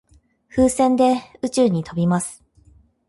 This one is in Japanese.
風船で宇宙に飛びます。